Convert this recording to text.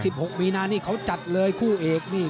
หกมีนานี่เขาจัดเลยคู่เอกนี่